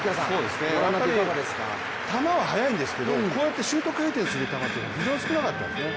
やっぱり球は速いんですけどこうやってシュート回転する球というのは、非常に少なかったんですね。